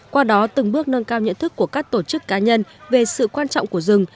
qua đó từng bước nâng cao nhận thức của các tổ chức cá nhân về sự quan trọng của rừng